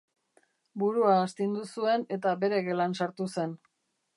Burua astindu zuen eta bere gelan sartu zen.